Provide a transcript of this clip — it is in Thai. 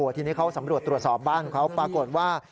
ทีนี้เขาสำรวจตรวจสอบบ้านเขาปรากฏว่า